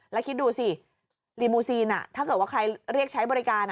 แล้วคิดดูสิรีมูซีนถ้าเกิดว่าใครเรียกใช้บริการ